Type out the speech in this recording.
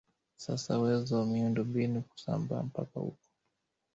sasa uwezo wa miundo mbinu kusambaa mpaka uko